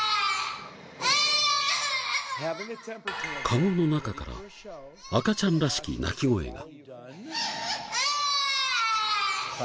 かごの中から赤ちゃんらしき鳴き声が。